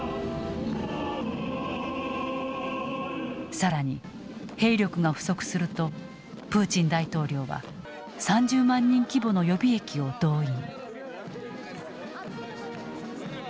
更に兵力が不足するとプーチン大統領は３０万人規模の予備役を動員。